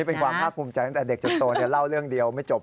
เป็นความภาคภูมิใจตั้งแต่เด็กจนโตเล่าเรื่องเดียวไม่จบ